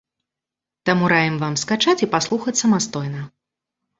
Таму раім вам скачаць і паслухаць самастойна.